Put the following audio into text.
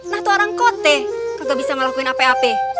nah itu orang kote kagak bisa melakukan apa apa